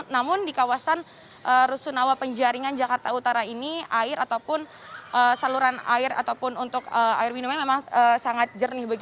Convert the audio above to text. namun di kawasan rusunawa penjaringan jakarta utara ini air ataupun saluran air ataupun untuk air minumnya memang sangat jernih